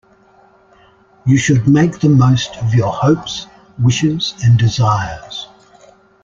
You should make the most of your hopes, wishes and desires.